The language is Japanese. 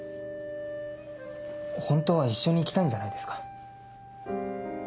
本当は一緒に行きたいんじゃないですか？